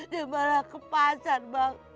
dia malah ke pasar bang